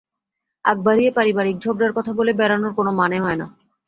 আগ বাড়িয়ে পারিবারিক ঝগড়ার কথা বলে বেড়ানোর কোনো মানে হয় না।